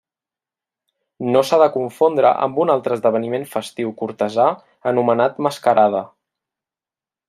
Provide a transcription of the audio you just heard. No s'ha de confondre amb un altre esdeveniment festiu cortesà anomenat mascarada.